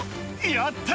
やった！